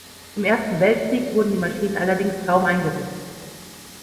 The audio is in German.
Im Ersten Weltkrieg wurden die Maschinen allerdings kaum eingesetzt.